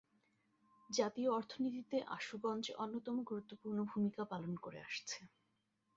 জাতীয় অর্থনীতিতে আশুগঞ্জ অন্যতম গুরুত্বপূর্ণ ভূমিকা পালন করে আসছে।